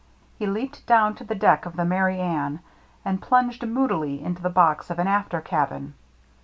He leaped down to the deck of the Merry AnnCy and plunged moodily into the box of an after cabin.